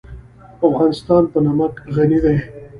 افغانستان په نمک غني دی.